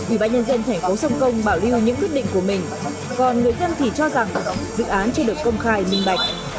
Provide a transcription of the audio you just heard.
ubnd tp sông công bảo lưu những quyết định của mình còn người dân thì cho rằng dự án chưa được công khai minh mạch